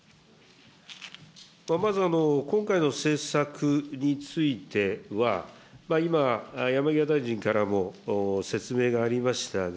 まずは今回の政策については、今、山際大臣からも説明がありましたが、